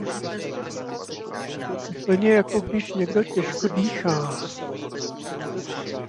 Úplně jako když někdo těžko dýchá.